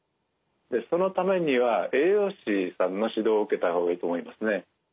そのためには栄養士さんの指導を受けた方がいいと思いますね。